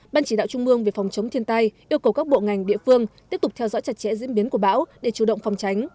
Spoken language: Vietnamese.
ban chỉ đạo trung mương về phòng chống thiên tai yêu cầu các bộ ngành địa phương tiếp tục theo dõi chặt chẽ diễn biến của bão để chủ động phòng tránh